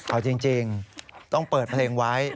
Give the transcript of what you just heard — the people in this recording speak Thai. เอาจริงต้องเปิดเพลงไว้